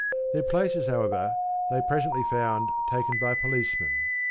Their places, however, they presently found taken by policemen.